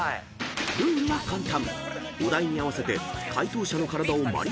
［ルールは簡単］